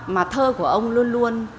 mà thơ của ông luôn luôn